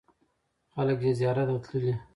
خلک یې زیارت ته تللي.